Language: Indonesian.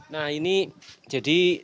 nah ini jadi